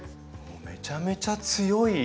めちゃめちゃ強い！